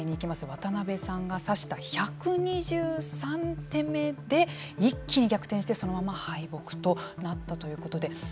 渡辺さんが指した１２３手目で一気に逆転して、そのまま敗北となったということで。